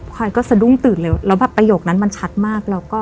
พลอยก็สะดุ้งตื่นแล้วแล้วประโยคนั้นมันชัดมากแล้วก็